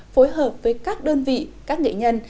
phối hợp với các đơn vị các nghệ nhân